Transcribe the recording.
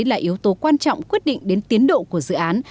là yếu tố quan trọng quyết định đến tiến độ của dự án